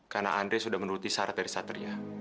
karena andre sudah menuruti syarat dari satria